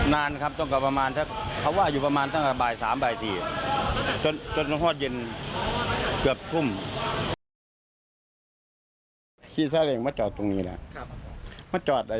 นานครับต้องกับประมาณถ้าเขาว่าอยู่บริหรัม